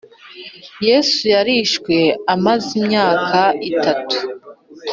Yesu yarishwe amaze imyaka itatu